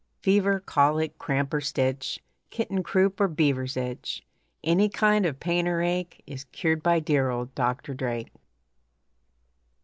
Fever, colic, cramp, or stitch, Kitten croup or beaver's itch, Any kind of pain or ache Is cured by dear, old Doctor Drake.